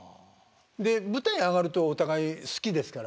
で舞台上がるとお互い好きですから。